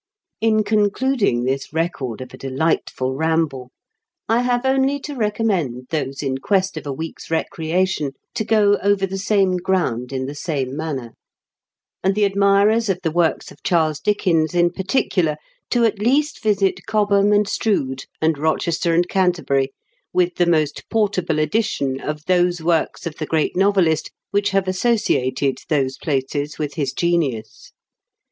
In concluding this record of a delightful ramble, I have only to recommend those in quest of a week's recreation to go over the same ground in the same manner ; and the admirers of the works of Charles Dickens in particular to at least visit Cobham and Strood, and Eochester and Canterbury, with the most portable edition of those works of the great novelist which have associated those places with his genius.